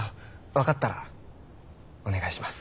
分かったらお願いします。